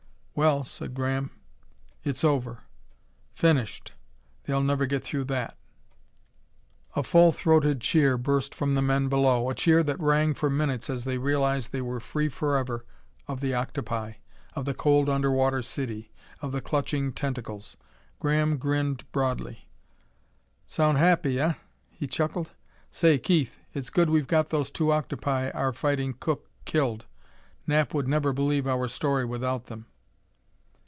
"Well," said Graham, "it's over! Finished! They'll never get through that!" A full throated cheer burst from the men below, a cheer that rang for minutes as they realized they were free forever of the octopi, of the cold underwater city, of the clutching tentacles. Graham grinned broadly. "Sound happy eh?" he chuckled. "Say, Keith, it's good we've got those two octopi our fighting cook killed. Knapp would never believe our story without them!"